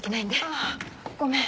あぁごめん。